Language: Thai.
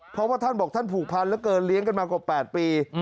เพราะว่าท่านบอกท่านผูกพันเหลือเกินเลี้ยงกันมากว่า๘ปี